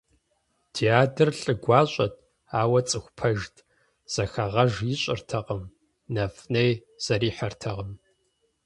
Ди адэр лӏы гуащӏэт, ауэ цӏыху пэжт, зэхэгъэж ищӏыртэкъым, нэфӏ-ней зэрихьэртэкъым.